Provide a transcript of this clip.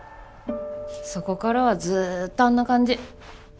そこからはずっとあんな感じ。